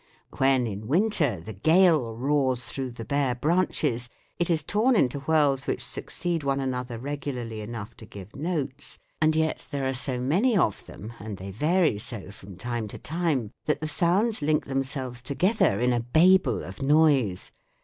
When in winter the gale roars through the bare branches it is torn into whirls which succeed one another regularly enough to give notes ; and yet there are so many of them, and they vary so from time to time, that the sounds link themselves no THE WORLD OF SOUND together in a babel of noise.